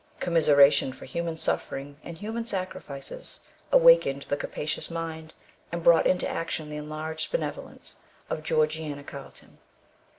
Commiseration for human suffering and human sacrifices awakened the capacious mind, and brought into action the enlarged benevolence, of Georgiana Carlton.